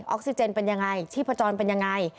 ออกซิเจนเป็นยังไงชีพจรเป็นยังไง